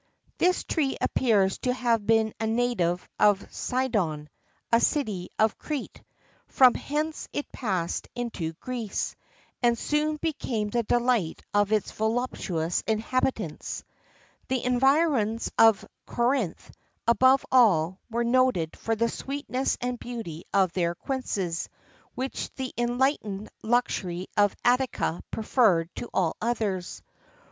This tree appears to have been a native of Cydon, a city of Crete; from hence it passed into Greece,[XIII 1] and soon became the delight of its voluptuous inhabitants. The environs of Corinth, above all, were noted for the sweetness and beauty of their quinces,[XIII 2] which the enlightened luxury of Attica preferred to all others.